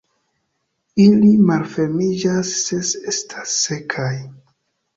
Ili malfermiĝas se estas sekaj.